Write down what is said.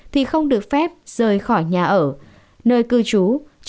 thì không được phép rời khỏi nhà ở nơi cư trú